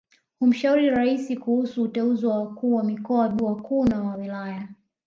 Humshauri Raisi kuhusu uteuzi wa wakuu wa mikoa wakuu na wa wilaya